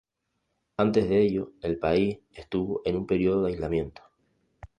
Antes de ello, el país estuvo en un periodo de aislamiento.